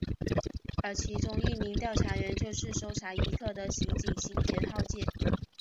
而其中一名调查员就是搜查一课的刑警新田浩介。